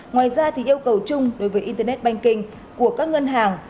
ngoài ra yêu cầu chung đối với internet banking của các ngân hàng